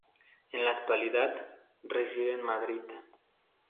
En la actualidad, reside en Madrid.